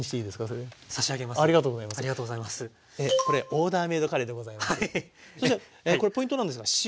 そしたらこれポイントなんですが塩。